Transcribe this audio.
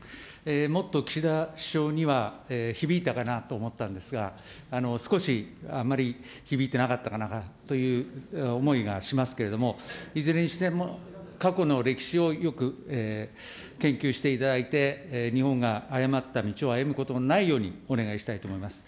もっと岸田首相には響いたかなと思ったんですが、少しあまり響いてなかったかなという思いがしますけれども、いずれにしても、過去の歴史をよく研究していただいて、日本が誤った道を歩むことがないようにお願いしたいと思います。